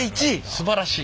すばらしい。